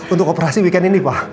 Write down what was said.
untuk operasi weekend ini pak